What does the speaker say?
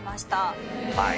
はい。